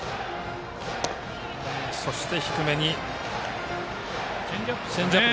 低めにチェンジアップ。